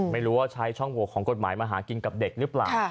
ไม่รู้ว่าใช้ช่องโหวกของกฎหมายมาหากินกับเด็กหรือเปล่า